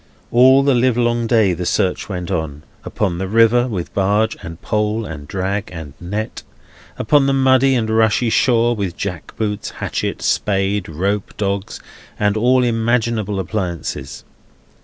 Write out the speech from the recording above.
All the livelong day the search went on; upon the river, with barge and pole, and drag and net; upon the muddy and rushy shore, with jack boots, hatchet, spade, rope, dogs, and all imaginable appliances.